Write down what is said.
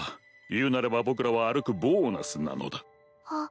言うなれば僕らは歩くボーナスなのだあ